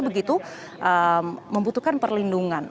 begitu membutuhkan perlindungan